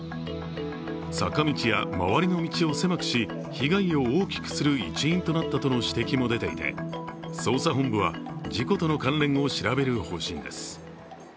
坂道や周りの道を狭くし被害を大きくする一因となったとの指摘も出ていて捜査本部は事故との関連を調べる方針です。